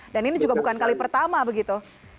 ini juga bukan kali pertama begitu